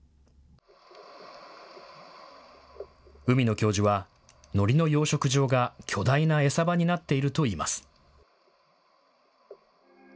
海野教授はのりの養殖場が巨大な餌場になっているといいます。